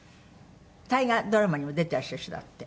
大河ドラマにも出ていらっしゃるでしょだって。